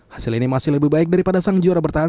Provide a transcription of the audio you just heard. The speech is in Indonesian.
hasil ini masih lebih baik daripada sang juara bertahan